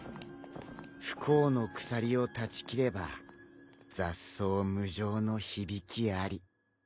不幸の鎖を断ち切れば雑草無情の響きあり。